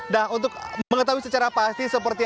nah untuk mengetahui secara pasti seperti